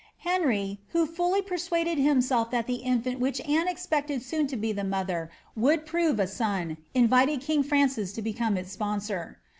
Henry, who fully persuaded him self that the infant of which Anne expected soon to be the mother would prove a son, invited king Francis to become its sponsor.